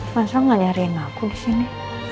masang gak nyariin aku di sini